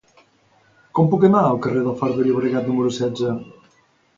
Com puc anar al carrer del Far de Llobregat número setze?